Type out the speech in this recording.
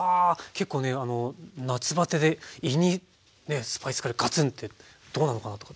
結構ね夏バテで胃にねスパイスカレーガツンってどうなのかなとかって。